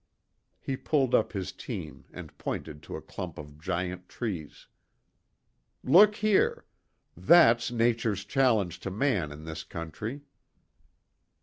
He pulled up his team and pointed to a clump of giant trees. "Look here. That's Nature's challenge to man in this country."